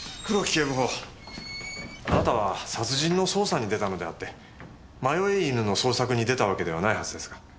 警部補あなたは殺人の捜査に出たのであって迷い犬の捜索に出たわけではないはずですが。